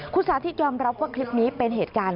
คุณสาธิตยอมรับว่าคลิปนี้เป็นเหตุการณ์